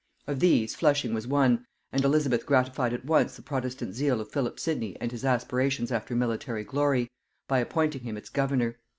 Of these, Flushing was one; and Elizabeth gratified at once the protestant zeal of Philip Sidney and his aspirations after military glory, by appointing him its governor.